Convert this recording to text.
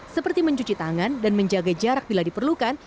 seperti mencuci tangan dan menjaga jarak bila diperlukan